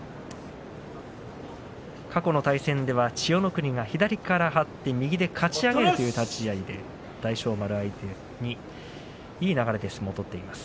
過去の対戦では千代の国が左から張って右でかち上げるという立ち合いで大翔丸を相手にいい流れで相撲を取っています。